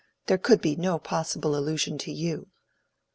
There could be no possible allusion to you."